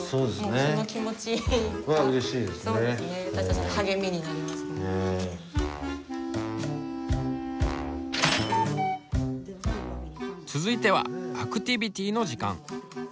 ちょっと続いてはアクティビティーの時間。